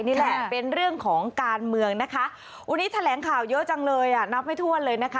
นี่แหละเป็นเรื่องของการเมืองนะคะวันนี้แถลงข่าวเยอะจังเลยอ่ะนับไม่ถ้วนเลยนะคะ